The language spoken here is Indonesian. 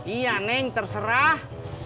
iya neng terserah